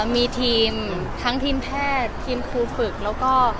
มีทีมทั้งทีมแพทย์ทีมครูฝึกแล้วก็